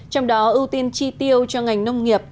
trong đó ưu tiên chi tiêu cho ngành nông nghiệp